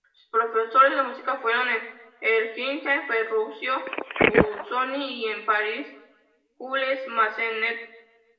Sus profesores de música fueron en Helsinki, Ferruccio Busoni y en París, Jules Massenet.